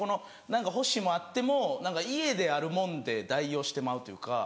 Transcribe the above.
何か欲しいものあっても家であるもので代用してまうというか。